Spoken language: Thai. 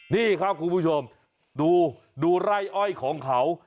นี่ครับคุณผู้ชมดูดูไร่อ้อยของเขา